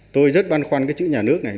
tôi rất băn khoăn cái chữ nhà nước này